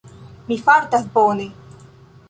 Mi fartas bone